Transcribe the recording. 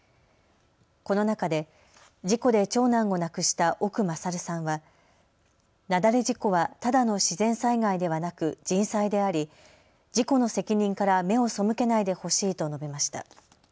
この中で事故で長男を亡くした奥勝さんは雪崩事故はただの自然災害ではなく、人災であり、事故の責任から目を背けないでほしいと述べました。